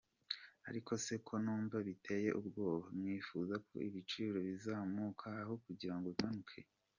Ariko se ko nunva biteye ubwoba!mwifuza ko ibiciro bizamuka aho kugirango bimanuke.